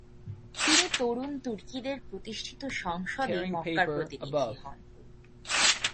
তিনি তরুণ তুর্কিদের প্রতিষ্ঠিত সংসদে মক্কার প্রতিনিধি হন।